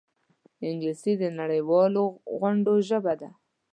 انګلیسي د نړيوالو غونډو ژبه ده